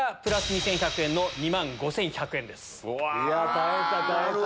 耐えた耐えた。